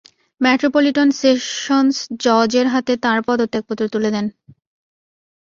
Metropolitan sessions জজের হাতে তাঁর পদত্যাগপত্র তুলে দেন।